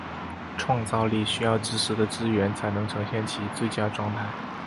创造力需要知识的支援才能呈现其最佳状态。